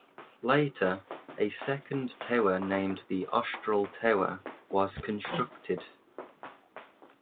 Later, a second tower named the "Austral Tower" was constructed.